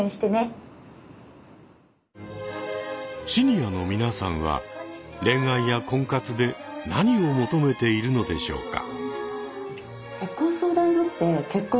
シニアの皆さんは恋愛や婚活で何を求めているのでしょうか。